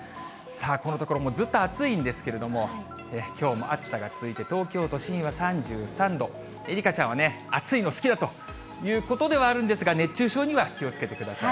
このところ、ずっと暑いんですけれども、きょうも暑さが続いて、東京都心は３３度、愛花ちゃんはね、暑いのが好きだということではあるんですが、熱中症には気をつけください。